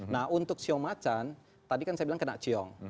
nah untuk sio macan tadi kan saya bilang kena ciong